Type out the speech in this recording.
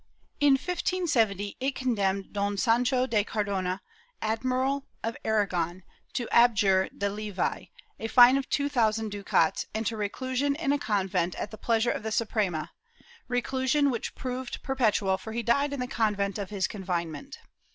In 1570 it condemned Don Sancho de Cardona, Admiral of Aragon, to abjure de levi, to a fine of two thousand ducats and to reclusion in a convent at the pleasure of the Suprema — reclusion which proved perpetual, for he died in the convent of his confinement.